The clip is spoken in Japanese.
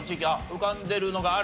浮かんでるのがある？